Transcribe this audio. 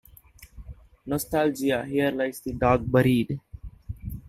Nostalgia Here lies the dog buried.